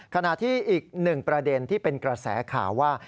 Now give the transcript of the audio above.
ขณะที่อีกหนึ่งประเด็นที่เป็นกระแสข่าวว่า